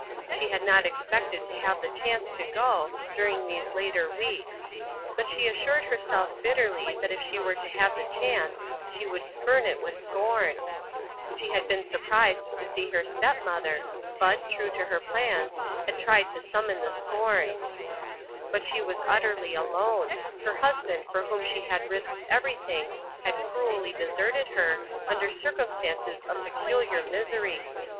She had not expected to have the chance to go, during these later weeks ; but she assured herself bitterly that if she were to have the chance, she would spurn it with scorn. She had been sur UNDER GUIDANCE. 7,2 1 prised to see her step mother, but, true to her plans, had tried to summon the scorn. But she was utterly alone ; her husband for whom she had risked everything, had cruelly deserted her, under circumstances of peculiar misery.